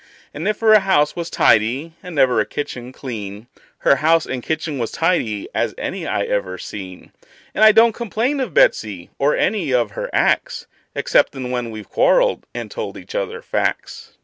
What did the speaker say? And if ever a house was tidy, and ever a kitchen clean, Her house and kitchen was tidy as any I ever seen; And I don't complain of Betsey, or any of her acts, Exceptin' when we've quarreled, and told each other facts.